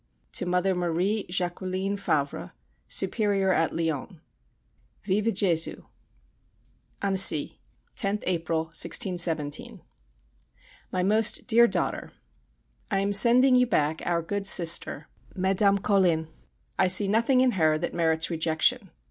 To Mother Marie Jacqueline Favre, Superior at Lyons. Vive [+] Jésus! ANNECY, 10th April, 1617. MY MOST DEAR DAUGHTER, I am sending you back our good Sister (Madame Colin). I see nothing in her that merits rejection.